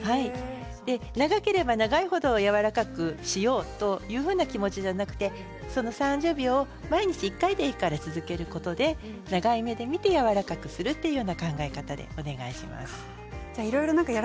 長ければ長い程やわらかくしようというふうな気持ちじゃなくて３０秒を毎日１回でいいから続けることで長い目で見てやわらかくするという考え方でお願いします。